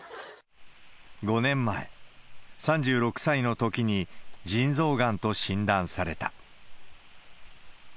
５年前、３６歳のときに腎臓がんと診断された。